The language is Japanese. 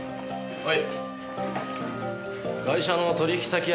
はい。